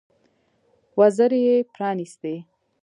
وزرې يې پرانيستې.